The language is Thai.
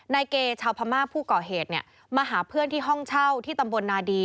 นายเกชาวพม่าผู้ก่อเหตุเนี่ยมาหาเพื่อนที่ห้องเช่าที่ตำบลนาดี